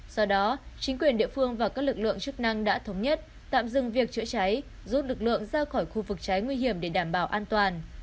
do đó chính quyền địa phương và các lực lượng chức năng đã thống nhất tạm dừng việc chữa cháy rút lực lượng ra khỏi khu vực cháy nguy hiểm để đảm bảo an toàn